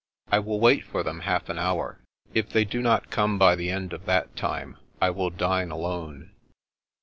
" I will wait for them half an hour. If they do not come by the end of that time, I will dine alone."